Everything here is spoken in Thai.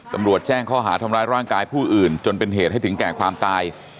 ตำรวจแจ้งข้อหาทำร้ายร่างกายผู้อื่นจนเป็นเหตุให้ถึงแก่ความตาย